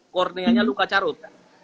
korneanya luka carut